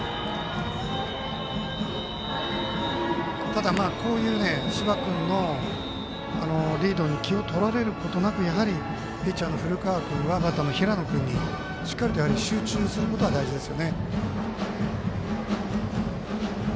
ただ、こういう柴君のリードに気をとられることなくピッチャーの古川君はバッターの平野君にしっかりと集中することが大事です。